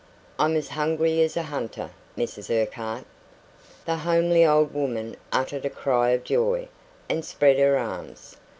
"I'm as hungry as a hunter, Mrs Urquhart." The homely old woman uttered a cry of joy, and spread her arms.